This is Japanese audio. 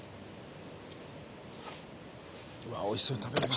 うわっおいしそうに食べるなあ。